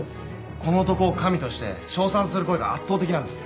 この男を神として称賛する声が圧倒的なんです。